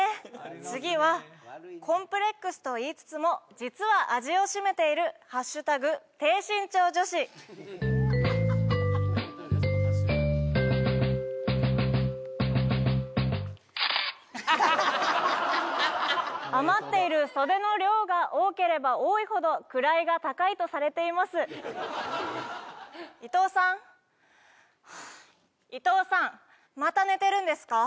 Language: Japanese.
次はコンプレックスと言いつつも実は味をしめている「＃低身長女子」余っている袖の量が多ければ多いほど位が高いとされています伊藤さん？はあ伊藤さん！また寝てるんですか？